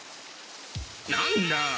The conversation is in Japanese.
何だ